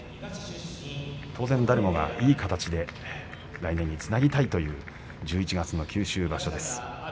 当然誰もがいい形で来年につなげたいという１１月の九州場所です。